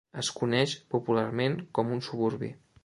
Es coneix popularment com un suburbi.